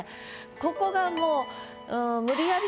ここがもううん無理やり